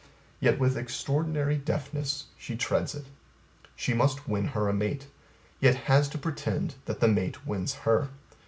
Yet with extraordinary deftness she treads it. She must win her a mate, yet has to pretend that the mate wins her.